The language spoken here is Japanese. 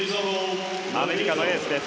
アメリカのエースです。